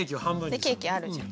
ケーキあるじゃん。